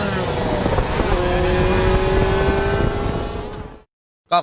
มันจะต้องเซวชาเหนียช่างโลกสวย